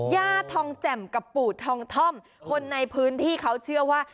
ย่าทองแจ่มกับปู่ทองท่อมคนในพื้นที่เขาเชื่อว่า